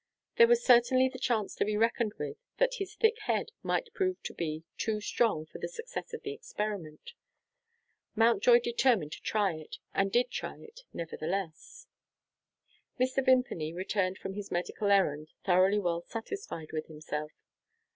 There was certainly the chance to be reckoned with, that his thick head might prove to be too strong for the success of the experiment. Mountjoy determined to try it, and did try it nevertheless. Mr. Vimpany returned from his medical errand, thoroughly well satisfied with himself.